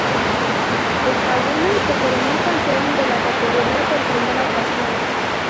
El Laguna se coronó campeón de la categoría por primera ocasión.